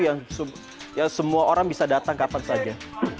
yang semua orang bisa datang kapan saja